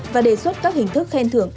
và đề xuất các hình thức khen thưởng